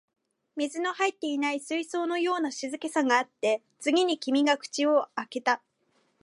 水の入っていない水槽のような静けさがあって、次に君が口を開いた